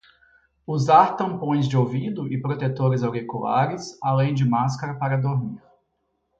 Usar tampões de ouvido e protetores auriculares, além de máscara para dormir